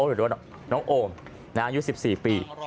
หรือว่าน้องโอมอายุ๑๔ปี